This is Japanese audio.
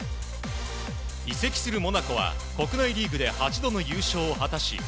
移籍するモナコは国内リーグで８度の優勝を果たし